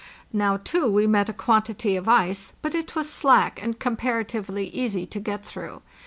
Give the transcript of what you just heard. Now, too, we met a quantity of ice, but it was slack and comparatively easy to get through.